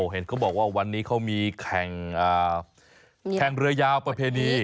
เห็นเขาบอกว่าวันนี้เขามีแข่งเรือยาวประเพณี